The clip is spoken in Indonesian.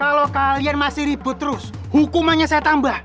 kalau kalian masih ribut terus hukumannya saya tambah